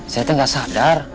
saya tuh gak sadar